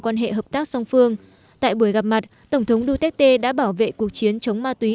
quan hệ hợp tác song phương tại buổi gặp mặt tổng thống duterte đã bảo vệ cuộc chiến chống ma túy